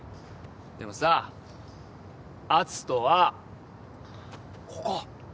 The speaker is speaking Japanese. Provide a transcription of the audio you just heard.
でもさ篤斗はここ！